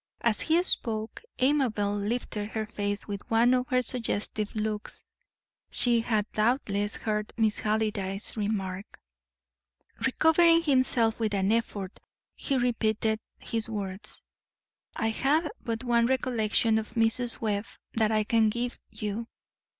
As he spoke, Amabel lifted her face with one of her suggestive looks. She had doubtless heard Miss Halliday's remark. Recovering himself with an effort, he repeated his words: "I have but one recollection of Mrs. Webb that I can give you.